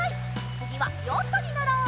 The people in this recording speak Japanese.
つぎはヨットにのろう。